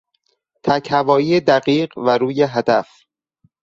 تک هوایی دقیق و روی هدف